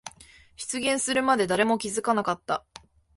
出現するまで誰も気づかなかった。